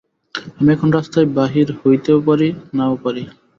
আমি এখন রাস্তায় বাহির হইতেও পারি, নাও পারি।